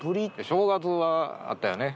正月は会ったよね。